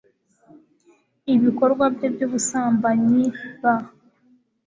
ibikorwa bye by ubusambanyi b